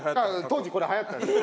当時これはやったんです。